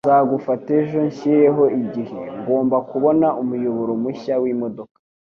Nzagufata ejo nshyireho igihe. Ngomba kubona umuyoboro mushya wimodoka.